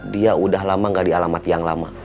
dia udah lama gak di alamat yang lama